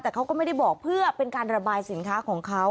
แต่เขาก็ไม่ได้บอกเพื่อเป็นการระบายสินค้าของเขา